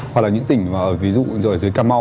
hoặc là những tỉnh dưới cà mau